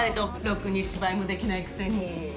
ロクに芝居もできないくせに。